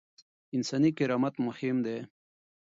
انساني کرامت مهم دی.